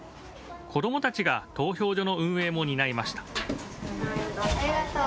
子どもたちが投票所の運営も担いました。